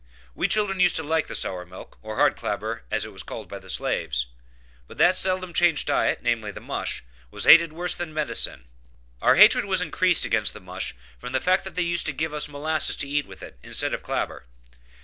We children used to like the sour milk, or hard clabber as it was called by the slaves; but that seldom changed diet, namely the mush, was hated worse than medicine. Our hatred was increased against the mush from the fact that they used to give us molasses to eat with it, instead of clabber.